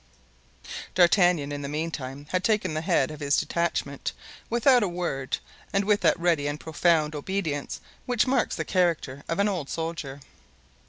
D'Artagnan, in the meantime, had taken the head of his detachment without a word and with that ready and profound obedience which marks the character of an old soldier.